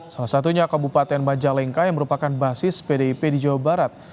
salah satunya kabupaten majalengka yang merupakan basis pdip di jawa barat